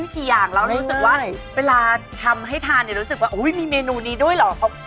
ที่มานำเสนอเมนูเด็ด